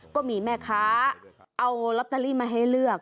ก็มีแม่ค้าเอาลอตเตอรี่มาให้เลือก